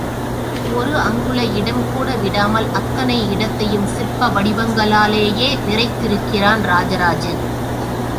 ஒரு அங்குல இடங்கூட விடாமல் அத்தனை இடத்தையும் சிற்ப வடிவங்களாலேயே நிறைத்திருக்கிறான் ராஜராஜன்.